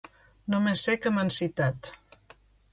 Només sé que m’han citat.